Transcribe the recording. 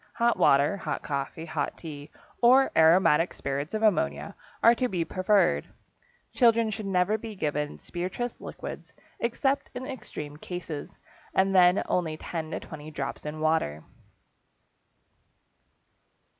Hot water, hot coffee, hot tea, or aromatic spirits of ammonia are to be preferred. Children should never be given spirituous liquids, except in extreme cases, and then only 10 to 20 drops in water.